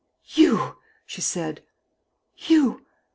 "You!" she said. "You!